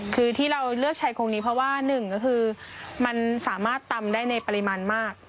คือที่เราเลือกใช้ครกนี้เพราะว่า๑มันสามารถตำได้ในปริมาณมาก